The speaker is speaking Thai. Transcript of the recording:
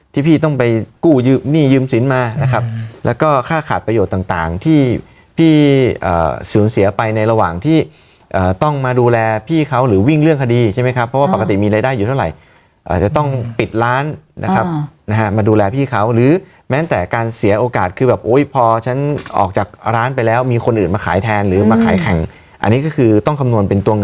ที่พี่ต้องไปกู้นี่ยืมสินมานะครับแล้วก็ค่าขาดประโยชน์ต่างต่างที่พี่อ่าสูญเสียไปในระหว่างที่อ่าต้องมาดูแลพี่เขาหรือวิ่งเรื่องคดีใช่ไหมครับเพราะว่าปกติมีรายได้อยู่เท่าไหร่อ่าจะต้องปิดร้านนะครับนะฮะมาดูแลพี่เขาหรือแม้แต่การเสียโอกาสคือแบบโอ้ยพอฉันออกจากร้านไปแล้วมีคนอื่นมาขายแทนหรือมา